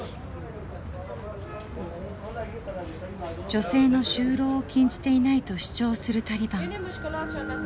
女性の就労を禁じていないと主張するタリバン。